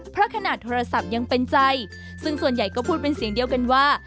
เพราะขนาดโทรศัพท์ยังเป็นใจซึ่งส่วนใหญ่ก็พูดเป็นเสียงเดียวกันว่า